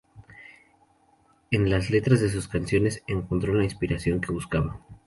En las letras de sus canciones encontró la inspiración que buscaba.